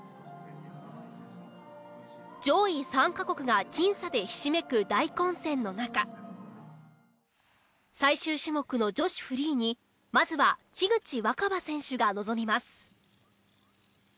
上位３カ国が僅差でひしめく大混戦の中最終種目の女子フリーにまずは口新葉選手が臨みます。